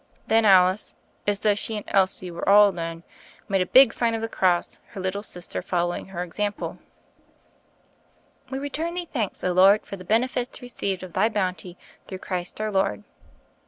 Then Alice, as though she and Elsie were all alone, made a big sign of the cross, her little sister following her example. "We return Thee thanks, O Lord, for the THE FAIRY OF THE SNOWS 35 benefits received of Thy bounty^ through Christ, our Lord."